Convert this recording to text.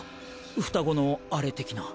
双子のアレ的な。